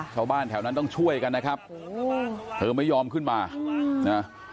ชาวบ้านแถวนั้นต้องช่วยกันนะครับเธอไม่ยอมขึ้นมานะ